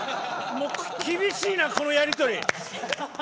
厳しいなこのやりとり。